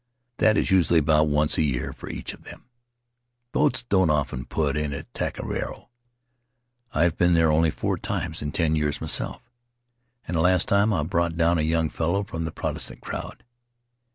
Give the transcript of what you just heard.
That is usually about once a year for each of them. Boats don't often put in at Taka Raro. I've been there only four times in ten years, myself, and the last time I brought down a young fellow from the Protestant crowd.